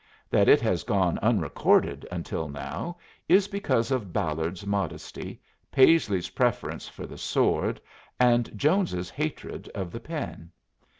That it has gone unrecorded until now is because of Ballard's modesty, Paisley's preference for the sword, and Jones's hatred of the pen.